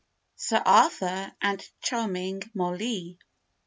SIR ARTHUR AND CHARMING MOLLEE.